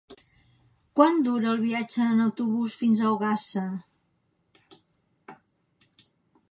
Quant dura el viatge en autobús fins a Ogassa?